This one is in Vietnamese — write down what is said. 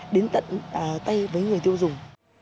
đến tận tay với người tiêu dùng